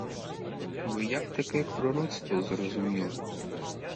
Ви як таке пророцтво зрозуміли?